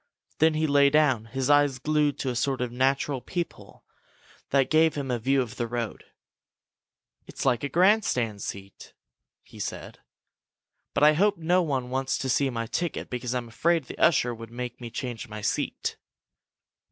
Then he lay down, his eyes glued to a sort of natural peephole that gave him a view of the road. "It's like a grandstand seat!" he said. "But I hope no one wants to see my ticket because I'm afraid the usher would make me change my seat!"